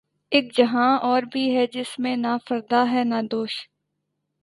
اک جہاں اور بھی ہے جس میں نہ فردا ہے نہ دوش